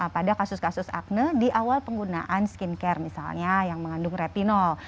pada kasus kasus akne di awal penggunaan skincare misalnya yang mengandung retinol